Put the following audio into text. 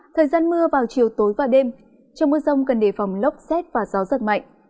thời gian mưa vào chiều tối và đêm trong mưa rông cần đề phòng lốc xét và gió giật mạnh